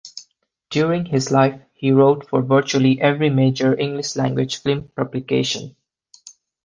During his life he wrote for virtually every major English language film publication.